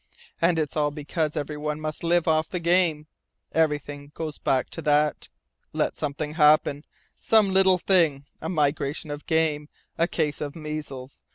And it's all because everyone must live off the game. Everything goes back to that. Let something happen, some little thing a migration of game, a case of measles.